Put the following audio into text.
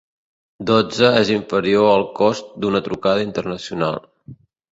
Dotze és inferior al cost d'una trucada internacional.